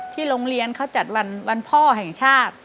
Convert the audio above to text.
โรงเรียนเขาจัดวันพ่อแห่งชาติ